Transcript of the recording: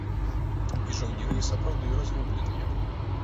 І жаўнеры сапраўды разгубленыя.